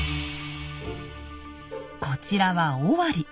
こちらは尾張。